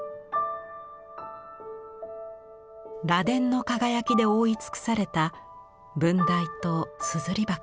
螺鈿の輝きで覆い尽くされた文台と硯箱。